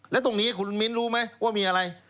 แล้วตรงนี้คุณมิ้นรู้ไหมว่ามีอะไร